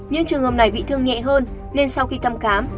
những trường hợp này bị thương nhẹ hơn nên sau khi thăm khám